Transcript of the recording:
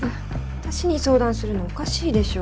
私に相談するのはおかしいでしょ。